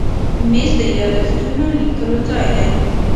مېز د یاداښتونو لیکلو ځای دی.